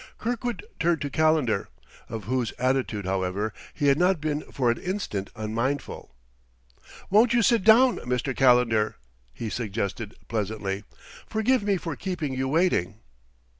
Kirkwood turned to Calendar; of whose attitude, however, he had not been for an instant unmindful. "Won't you sit down, Mr. Calendar?" he suggested pleasantly. "Forgive me for keeping you waiting."